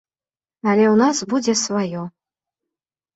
Але ў нас будзе сваё.